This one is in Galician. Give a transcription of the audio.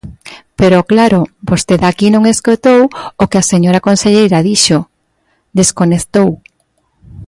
Pero, claro, vostede aquí non escoitou o que a señora conselleira dixo, desconectou.